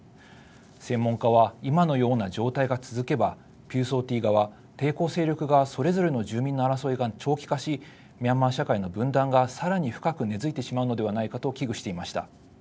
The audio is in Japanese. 専門家は今のような状態が続けばピューソーティー側、抵抗勢力側それぞれの住民の争いが長期化しミャンマー社会の分断がさらに深く根付いてしまうのではないかと危惧していました。